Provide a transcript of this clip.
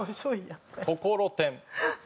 ところてん。